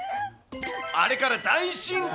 あれから大進化。